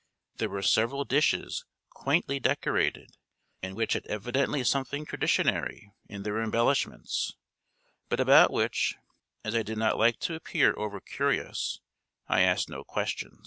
There were several dishes quaintly decorated, and which had evidently something traditionary in their embellishments; but about which, as I did not like to appear over curious, I asked no questions.